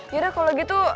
yaudah kalo gitu